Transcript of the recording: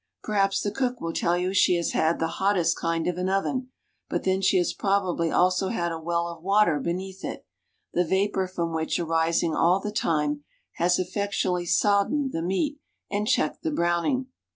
Perhaps the cook will tell you she has had the "hottest kind of an oven;" but then she has probably also had a well of water underneath it, the vapor from which, arising all the time, has effectually soddened the meat, and checked the browning.